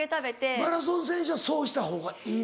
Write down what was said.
マラソン選手はそうしたほうがいいの？